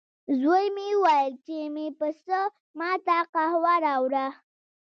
زوی مې وویل، چې مې پسه ما ته قهوه راوړه.